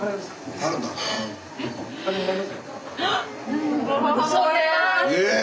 ・あっ！